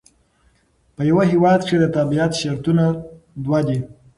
په یوه هیواد کښي د تابیعت شرطونه دوه دي.